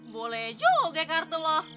boleh juga kartu lo